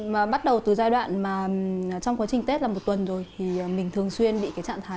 mà bắt đầu từ giai đoạn mà trong quá trình tết là một tuần rồi thì mình thường xuyên bị cái trạng thái